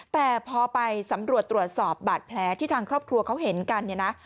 แต่พอไปสำรวจตรวจสอบบาดแผลที่ทางครอบครัวเขาเห็นกันเนี่ยนะ